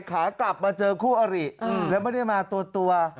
ขากลับมาเจอคู่อริแล้วไม่ได้มาตัว